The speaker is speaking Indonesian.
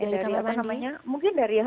dari kamar mandi